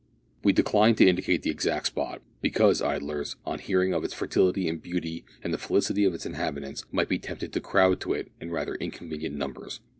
We decline to indicate the exact spot, because idlers, on hearing of its fertility and beauty and the felicity of its inhabitants, might be tempted to crowd to it in rather inconvenient numbers.